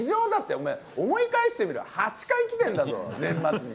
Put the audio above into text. お前、思い返してみろ、８回来てんだぞ、年末に。